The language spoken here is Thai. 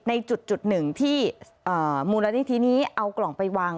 ในจุดหนึ่งที่มูลนิธินี้เอากล่องไปวาง